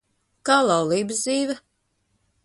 Kā laulības dzīve?